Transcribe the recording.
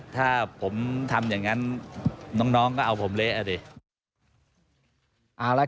ถ้าผมทำอย่างนั้นน้องก็เอาผมเละอ่ะดิ